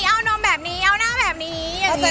เอานมแบบนี้เอาหน้าแบบนี้